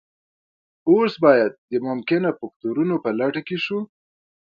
اوس باید د ممکنه فکتورونو په لټه کې شو